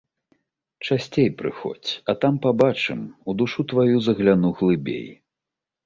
Часцей прыходзь, а там пабачым, у душу тваю загляну глыбей.